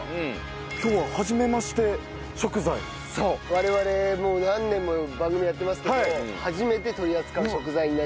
我々もう何年も番組やってますけども初めて取り扱う食材になります。